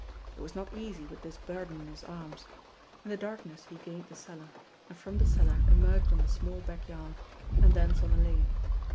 It was not easy with this burden in his arms. In the darkness he gained the cellar ; and from the cellar emerged on the small backyard, and thence on the lane.